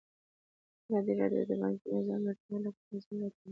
ازادي راډیو د بانکي نظام د ارتقا لپاره نظرونه راټول کړي.